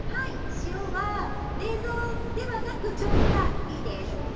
塩は冷蔵ではなく常温がいいです。